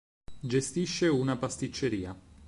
Gestisce una pasticceria